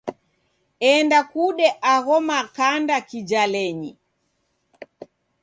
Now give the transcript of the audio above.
Enda kude agho makanda kijalenyi.